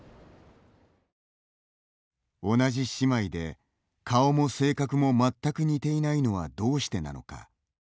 同じ姉妹で顔も性格も、全く似ていないのはどうしてなのか。